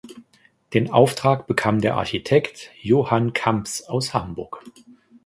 Den Auftrag bekam der Architekt Johann Kamps aus Hamburg.